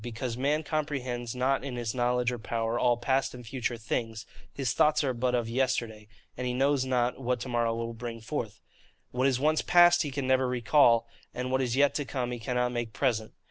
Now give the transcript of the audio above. Because man comprehends not in his knowledge or power all past and future things: his thoughts are but of yesterday, and he knows not what to morrow will bring forth. What is once past he can never recall; and what is yet to come he cannot make present.